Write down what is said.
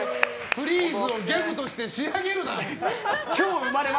プリーズをギャグとして仕上げるな！